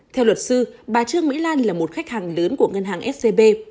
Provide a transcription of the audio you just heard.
theo luật sư bà trương mỹ lan là một khách hàng lớn của ngân hàng scb